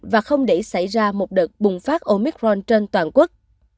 và không để xảy ra một đợt bùng phát omicron trên toàn quốc